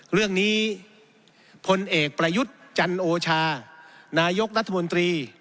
เรื่องนี้พลเอกประยุทธ์จันโอชานายกรัฐมนตรี